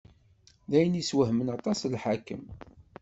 D ayen i yeswehmen aṭas lḥakem.